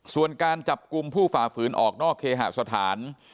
ส่วนการจับกลุ่มผู้ฝ่าฝืนออกนอกเคหสถาน